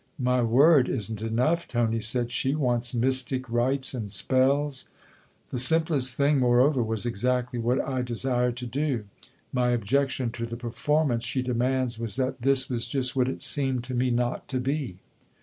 " My ' word ' isn't enough," Tony said :" she wants mystic rites and spells ! The simplest thing, moreover, was exactly what I desired to do. My THE OTHER HOUSE 53 objection to the performance she demands was that this was just what it seemed to me not to be."